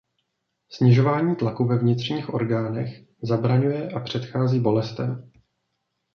Snižování tlaku ve vnitřních orgánech zabraňuje a předchází bolestem.